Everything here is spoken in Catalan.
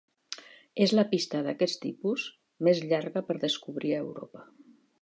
És la pista d'aquest tipus més llarga per descobrir a Europa.